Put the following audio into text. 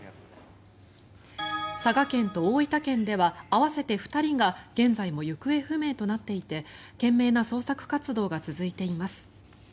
佐賀県と大分県では合わせて２人が現在も行方不明となっていて懸命な捜索活動が続いています。